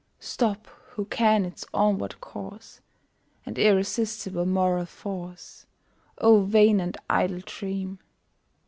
Stop who can its onward course And irresistible moral force; O vain and idle dream!